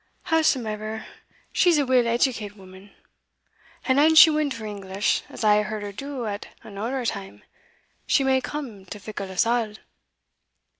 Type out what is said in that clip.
Howsomever, she's a weel educate woman, and an she win to her English, as I hae heard her do at an orra time, she may come to fickle us a'."